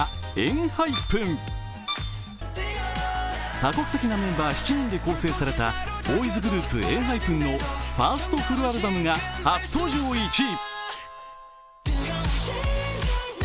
多国籍なメンバー７人で構成されたボーイズグループＥＮＨＹＰＥＮのファーストフルアムバムが初登場１位。